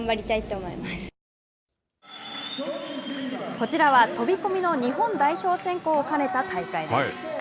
こちらは、飛び込みの日本代表選考を兼ねた大会。